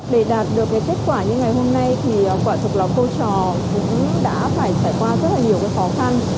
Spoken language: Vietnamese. để đạt được cái kết quả như ngày hôm nay thì quả trục lò câu trò cũng đã phải trải qua rất là nhiều cái khó khăn